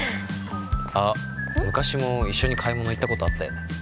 あっ昔も一緒に買い物行ったことあったよね？